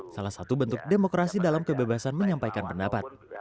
salah satu bentuk demokrasi dalam kebebasan menyampaikan pendapat